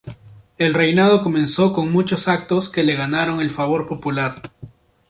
El reinado comenzó con muchos actos que le ganaron el favor popular.